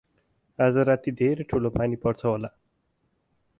आज राती धेरै ठुलो पानी पर्छ होला ।